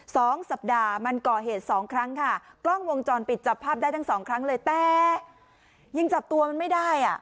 สองสัปดาห์มันก่อเหตุสองครั้งค่ะกล้องวงจรปิดจับภาพได้ทั้งสองครั้งเลยแต่ยังจับตัวมันไม่ได้อ่ะ